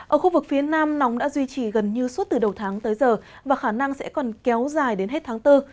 ở khu vực phía nam nóng đã duy trì gần như suốt từ đầu tháng tới giờ và khả năng sẽ còn kéo dài đến hết tháng bốn